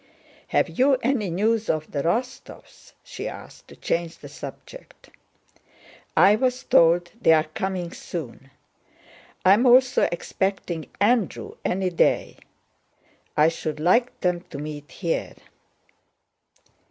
"Have you any news of the Rostóvs?" she asked, to change the subject. "I was told they are coming soon. I am also expecting Andrew any day. I should like them to meet here."